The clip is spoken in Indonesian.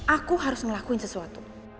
aku harus ngelakuin sesuatu